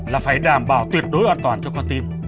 là phải đảm bảo tuyệt đối an toàn cho con tim